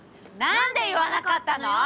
なんで言わなかったのよ？